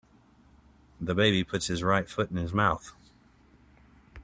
The baby puts his right foot in his mouth.